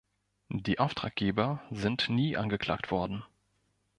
Die Auftraggeber sind nie angeklagt worden.